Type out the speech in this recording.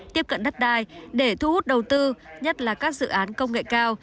tiếp cận đất đai để thu hút đầu tư nhất là các dự án công nghệ cao